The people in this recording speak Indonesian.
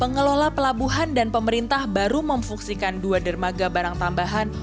pengelola pelabuhan dan pemerintah baru memfungsikan dua dermaga barang tambahan